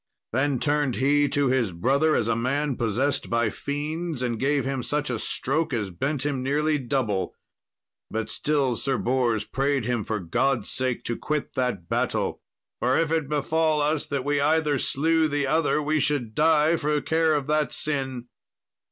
Then turned he to his brother as a man possessed by fiends, and gave him such a stroke as bent him nearly double. But still Sir Bors prayed him for God's sake to quit that battle, "For if it befell us that we either slew the other we should die for care of that sin."